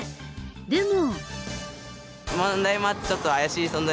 でも。